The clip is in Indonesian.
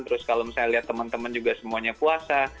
terus kalau misalnya lihat teman teman juga semuanya puasa